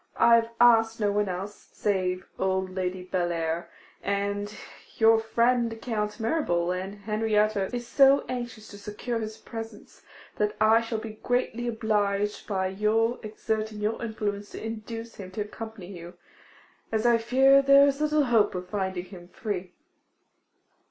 I have asked no one else, save old Lady Bellair, and your friend Count Mirabel; and Henrietta is so anxious to secure his presence, that I shall be greatly obliged by your exerting your influence to induce him to accompany you, as I fear there is little hope of finding him free.